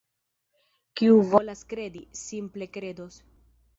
Kiu volas kredi, simple kredos.